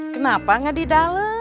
kenapa nggak di dalam